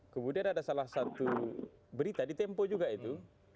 kemudian ada salah satu berita di tempo juga itu